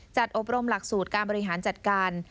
อบรมหลักสูตรการบริหารจัดการ